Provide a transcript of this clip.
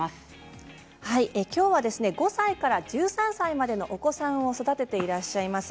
きょうは５歳から１３歳までのお子さんを育てていらっしゃいます